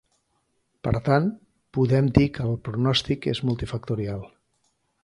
Per tant, podem dir que el pronòstic és multifactorial.